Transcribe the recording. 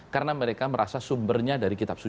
karena mereka merasa sumbernya dari kitab suci